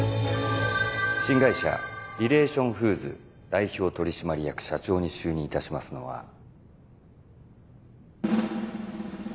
新会社リレーション・フーズ代表取締役社長に就任いたしますのは。